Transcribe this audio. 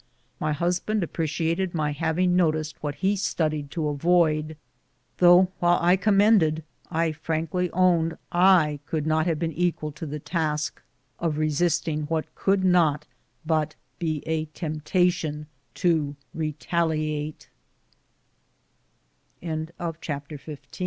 My husband appreciated my having noticed what he studied to avoid, though while I commended, I frankly owned I could not have been equal to the task of resisting what could not but be a temptation to retalia